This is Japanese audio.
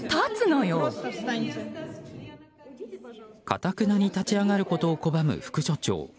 かたくなに立ち上がることを拒む副所長。